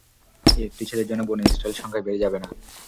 এই একটি ছেলের জন্যে বনী ইসরাঈল সংখ্যায় বেড়ে যাবে না।